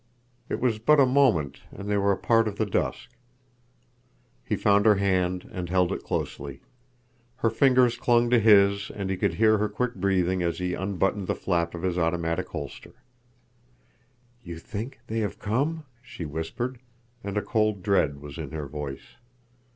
It was but a moment, and they were a part of the dusk." He found her hand and held it closely. Her fingers clung to his, and he could hear her quick breathing as he unbuttoned the flap of his automatic holster. "You think they have come?" she whispered, and a cold dread was in her voice.